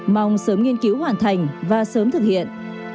mong sớm nghiên cứu hoàn thành và sớm thực hiện